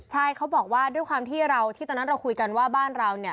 ใช่เขาบอกว่าด้วยความที่เราที่ตอนนั้นเราคุยกันว่าบ้านเราเนี่ย